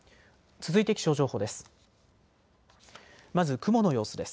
続いて気象情報です。